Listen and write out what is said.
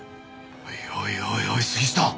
おいおいおいおい杉下。